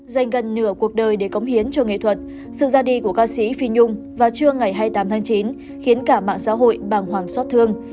dành gần nửa cuộc đời để cống hiến cho nghệ thuật sự ra đi của ca sĩ phi nhung vào trưa ngày hai mươi tám tháng chín khiến cả mạng xã hội bàng hoàng xót thương